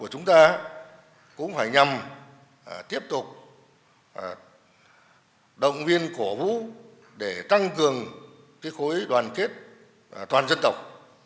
chúng ta sẽ tiếp tục đồng viên cổ vũ để tăng cường khối đoàn kết toàn dân tộc